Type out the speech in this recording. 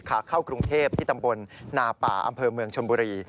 ขาเข้ากรุงเทพที่ตำบลนาป่าอำเภอเมืองชนบุรี